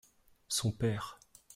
son père.